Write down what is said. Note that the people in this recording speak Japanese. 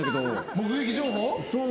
目撃情報？